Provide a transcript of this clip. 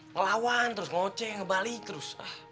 ngelawan terus ngoceh ngebalik terus